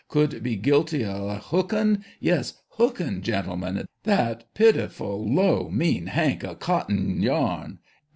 could be guilty o" hookin' — yes, hookin', gentlemen — that pitiful low, mean, hank o' cotting yarn